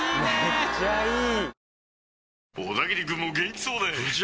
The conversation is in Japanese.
めっちゃいい！